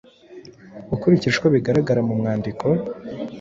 Ukurikije uko bigaragara mu mwandiko,